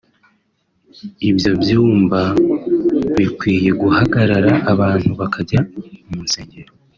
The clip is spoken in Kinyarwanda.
ibyo byumba bikwiye guhagarara abantu bakajya mu nsengero”